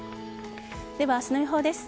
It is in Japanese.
では、明日の予報です。